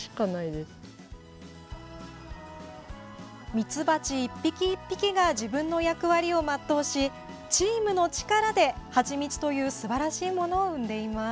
ミツバチ１匹１匹が自分の役割を全うしチームの力でハチミツというすばらしいものを生んでいます。